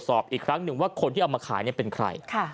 สอบอีกครั้งหนึ่งว่าคนที่เอามาขายเป็นใคร